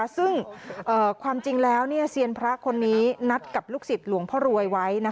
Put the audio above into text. ซึ่งความจริงแล้วเซียนพระคนนี้นัดกับลูกศิษย์หลวงพ่อรวยไว้